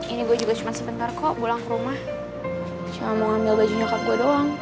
ini gue juga cuma sebentar kok pulang ke rumah cuma mau ambil baju nyukap gue doang